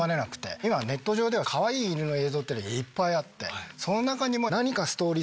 今ネット上ではカワイイ犬の映像いっぱいあってその中にも何かストーリー性。